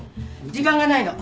時間がないの。